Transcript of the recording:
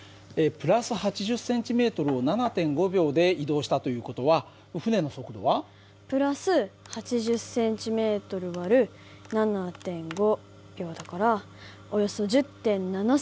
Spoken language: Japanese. ＋８０ｃｍを７．５秒で移動したという事は船の速度は？＋８０ｃｍ÷７．５秒だからおよそ１０．７ｃｍ／ｓ。